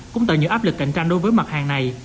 cũng tạo những áp lực cạnh tranh đối với mặt hàng này